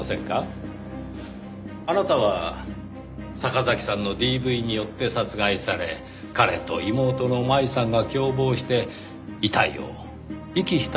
あなたは坂崎さんのＤＶによって殺害され彼と妹の麻衣さんが共謀して遺体を遺棄したように見せかける。